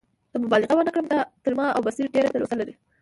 که مبالغه ونه کړم، دا تر ما او بصیر ډېره تلوسه لري.